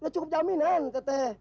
cukup jamin nang